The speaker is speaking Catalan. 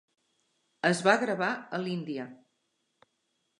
Es va gravar a l'Índia.